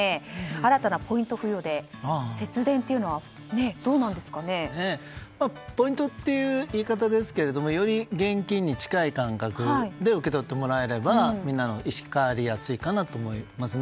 新たなポイント付与で節電というのはポイントっていう言い方ですがより現金に近い感覚で受け取ってもらえればみんなの意識が変わりやすいのかなと思います。